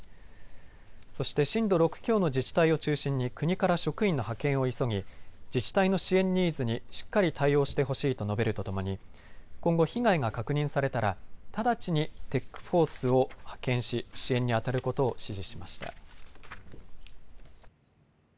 そして震度６強の自治体を中心に国から職員の派遣を急ぎ自治体の支援ニーズにしっかり対応してほしいと述べるとともに今後、被害が確認されたら直ちにＴＥＣーＦＯＲＣＥを派遣し支援にあたることを指示しました。